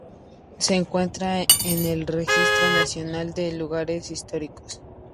Se encuentra en el Registro Nacional de Lugares Históricos.